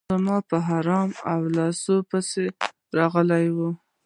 زما په احرام او لاسونو پسې راغلې وې.